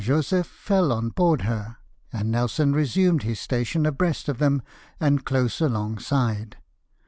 Josef fell on board her, and Nelson resumed his station abreast of them, and close alongside.